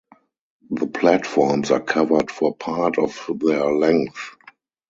The platforms are covered for part of their length.